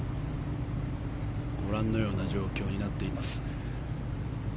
ご覧のような状況になっています。